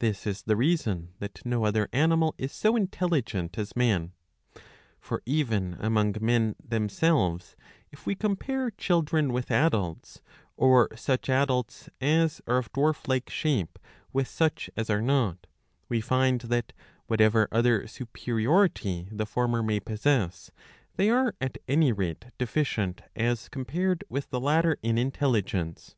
This ig the reason that no other animal is so intelligent as man. For even among men themselves if we compare children with adults, or such adults as are of dwarf like shape with such as are not, we find that, whatever other superiority the former may possess, they are at any rate deficient as compared with the latter in intelligence.